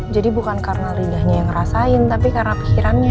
jadi bukan karena lidahnya yang rasain tapi karena pikirannya